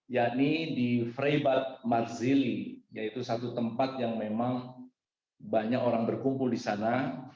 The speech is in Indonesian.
yaitu di freiburg marzilli yaitu satu tempat yang memang banyak orang berkumpul di sana